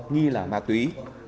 nghi là ma túy